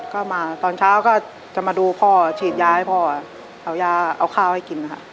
ก็มาตอนเช้าก็จะมาดูพ่อฉีดยาให้พ่อเอายาเอาข้าวให้กินนะคะ